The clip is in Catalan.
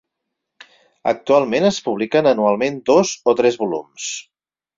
Actualment, es publiquen anualment dos o tres volums.